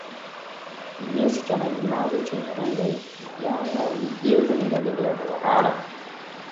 Kinyesi cha majimaji chenye rangi ya kijani au kijivu ni dalili ya kuhara